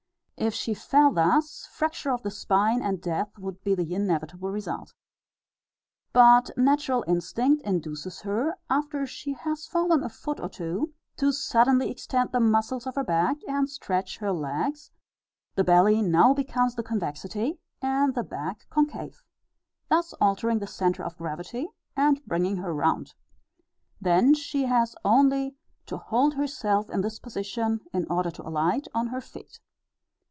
If she fell thus, fracture of the spine, and death, would be the inevitable result. But natural instinct induces her, after she has fallen a foot or two, to suddenly extend the muscles of her back, and stretch her legs; the belly now becomes the convexity, and the back concave, thus altering the centre of gravity, and bringing her round; then she has only to hold herself in this position in order to alight on her feet.